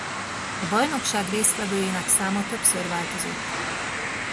A bajnokság résztvevőinek száma többször változott.